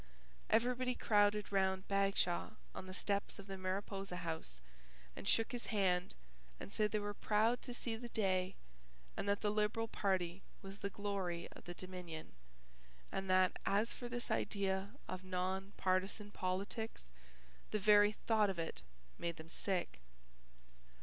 Everybody crowded round Bagshaw on the steps of the Mariposa House and shook his hand and said they were proud to see the day and that the Liberal party was the glory of the Dominion and that as for this idea of non partisan politics the very thought of it made them sick.